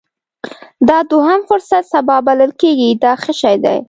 دا دوهم فرصت سبا بلل کېږي دا ښه شی دی.